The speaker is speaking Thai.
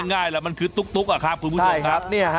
เออก็ง่ายแหละมันคือตุ๊กอะครับคุณผู้ชม